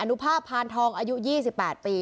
นุภาพพานทองอายุ๒๘ปี